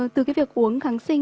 từ cái việc uống kháng sinh